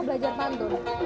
suka dengan pantun